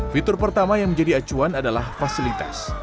fitur pertama yang menjadi acuan adalah fasilitas